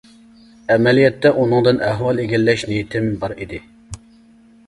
ئەمەلىيەتتە ئۇنىڭدىن ئەھۋال ئىگىلەش نىيىتىم بار ئىدى.